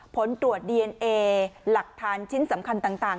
ผลตรวจดีเอนเอหลักฐานชิ้นสำคัญต่าง